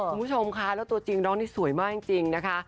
คุณผู้ชมค่ะแล้วตัวจริงน้องนี่สวยมากจริงนะคะ